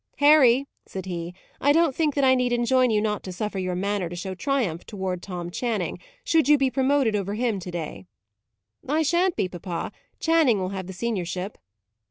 "Harry," said he, "I don't think that I need enjoin you not to suffer your manner to show triumph towards Tom Channing, should you be promoted over him to day." "I shan't be, papa. Channing will have the seniorship."